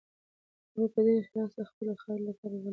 هغوی په ډېر اخلاص د خپلې خاورې لپاره ولوبېدل.